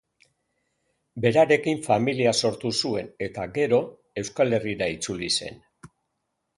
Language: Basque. Berarekin familia sortu zuen eta gero Euskal Herrira itzuli zen.